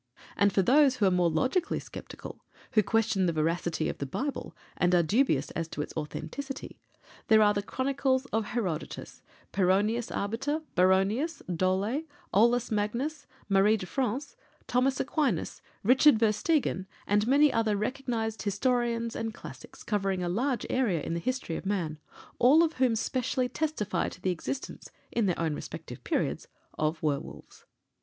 And for those who are more logically sceptical who question the veracity of the Bible and are dubious as to its authenticity there are the chronicles of Herodotus, Petronius Arbiter, Baronius, Dôle, Olaus Magnus, Marie de France, Thomas Aquinas, Richard Verstegan, and many other recognized historians and classics, covering a large area in the history of man, all of whom specially testify to the existence in their own respective periods of werwolves.